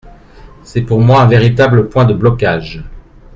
C’est pour moi un véritable point de blocage.